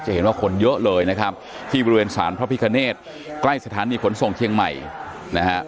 เห็นว่าคนเยอะเลยนะครับที่บริเวณสารพระพิคเนตใกล้สถานีขนส่งเชียงใหม่นะฮะ